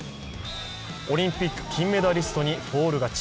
オリンピック金メダリストにフォール勝ち。